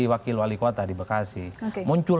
wakil wali kota di bekasi muncul